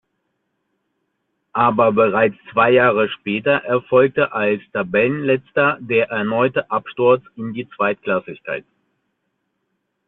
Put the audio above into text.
Aber bereits zwei Jahre später erfolgte als Tabellenletzter der erneute Absturz in die Zweitklassigkeit.